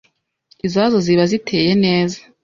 izazo ziba ziteye neza